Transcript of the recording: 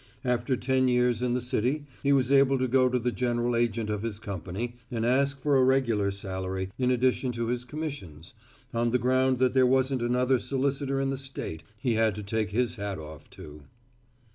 After ten years in the city he was able to go to the general agent of his company and ask for a regular salary, in addition to his commissions, on the ground that there wasn't another solicitor in the state he had to take his hat off to.